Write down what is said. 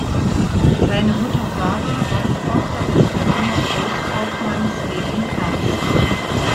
Seine Mutter Sara war die Tochter des Berliner Großkaufmanns Levin Hertz.